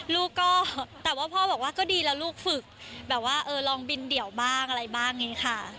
ลูกก็แต่ว่าพ่อบอกว่าก็ดีแล้วลูกฝึกแบบว่าเออลองบินเดี่ยวบ้างอะไรบ้างอย่างนี้ค่ะ